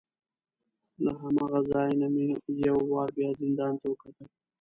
له هماغه ځای نه مې یو وار بیا زندان ته وکتل.